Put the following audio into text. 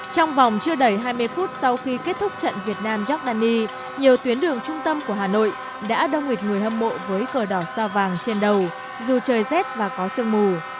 trong vòng chưa đầy hai mươi phút sau khi kết thúc trận việt nam jordani nhiều tuyến đường trung tâm của hà nội đã đông nghịt người hâm mộ với cờ đỏ sao vàng trên đầu dù trời rét và có sương mù